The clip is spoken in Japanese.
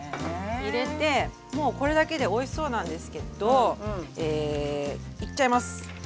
入れてもうこれだけでおいしそうなんですけどいっちゃいます。